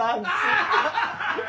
アハハハ！